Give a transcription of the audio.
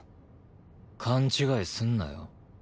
勘違いすんなよ。